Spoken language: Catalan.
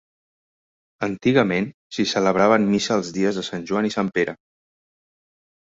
Antigament s'hi celebraven missa els dies de Sant Joan i Sant Pere.